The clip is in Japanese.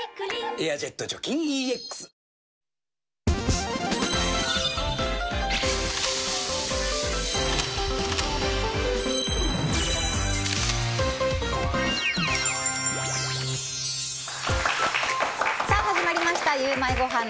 「エアジェット除菌ＥＸ」さあ始まりましたゆウマいごはん。